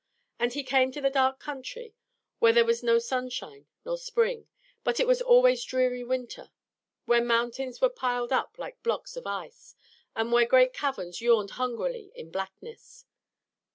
And he came to the dark country where there was no sunshine nor spring, but it was always dreary winter; where mountains were piled up like blocks of ice, and where great caverns yawned hungrily in blackness.